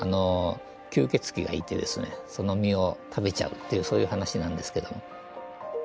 吸血鬼がいてですねその実を食べちゃうっていうそういう話なんですけど。